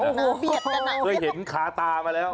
หักนะเบียดกันนะโอ้โฮเคยเห็นขาตามาแล้ว